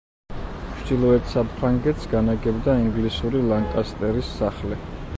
ჩრდილოეთ საფრანგეთს განაგებდა ინგლისური ლანკასტერის სახლი.